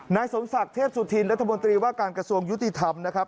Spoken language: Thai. นายสมศักดิ์เทพสุธินรัฐมนตรีว่าการกระทรวงยุติธรรมนะครับ